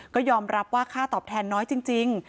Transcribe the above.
ก็ยอมรับว่าค่าตอบแทนน้อยจริง